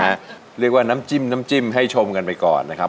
เรียกว่าน้ำจิ้มน้ำจิ้มให้ชมกันไปก่อนนะครับ